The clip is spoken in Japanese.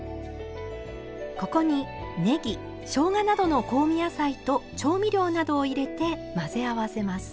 ここにねぎしょうがなどの香味野菜と調味料などを入れて混ぜ合わせます。